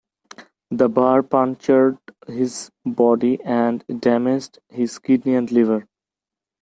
The bar punctured his body and damaged his kidney and liver.